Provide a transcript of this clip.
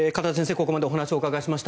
ここまでお話をお伺いしました。